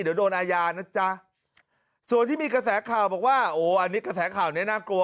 เดี๋ยวโดนอาญานะจ๊ะส่วนที่มีกระแสข่าวบอกว่าโอ้อันนี้กระแสข่าวนี้น่ากลัว